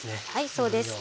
そうですね。